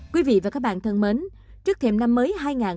quý vị và các bạn thân mến trước thêm năm mới hai nghìn hai mươi hai